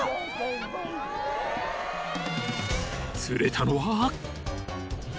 ［釣れたのは］